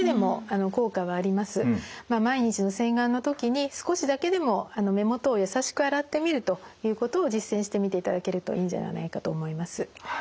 毎日の洗顔の時に少しだけでも目元を優しく洗ってみるということを実践してみていただけるといいんじゃないかと思います。